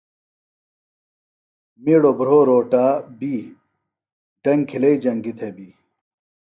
می ڑوۡ بھرو روٹا بی ڈنگ کِھلئی جنگیۡ تھےۡ بی